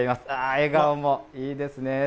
笑顔もいいですね。